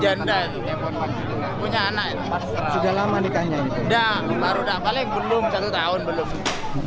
udah baru dah paling belum satu tahun belum